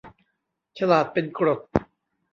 ฉลาดเป็นกรด